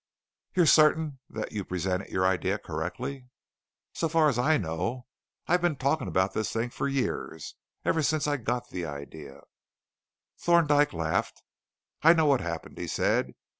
"You're certain that you presented your idea correctly?" "So far as I know. I've been talking about this thing for years, ever since I got the idea." Thorndyke laughed. "I know what happened," he said.